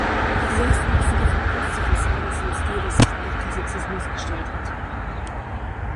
Die sechsachsige verputzte Fassade ist im Stil des Spätklassizismus gestaltet.